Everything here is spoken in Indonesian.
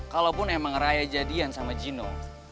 kalaupun emang raya jadian sama gino